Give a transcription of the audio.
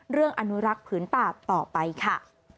เรื่องอนุรักษ์ผืนป่าต่อไปค่ะ